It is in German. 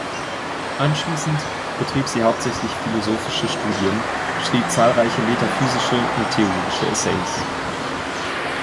Anschließend betrieb sie hauptsächlich philosophische Studien, schrieb zahlreiche metaphysische und theologische Essays.